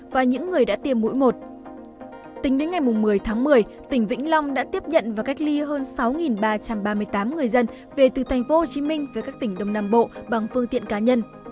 vĩnh long đã tiếp nhận và cách ly hơn sáu ba trăm ba mươi tám người dân về từ thành phố hồ chí minh với các tỉnh đông nam bộ bằng phương tiện cá nhân